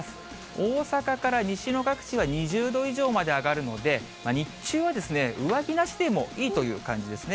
大阪から西の各地は２０度以上まで上がるので、日中は上着なしでもいいという感じですね。